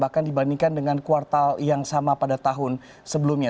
bahkan dibandingkan dengan kuartal yang sama pada tahun sebelumnya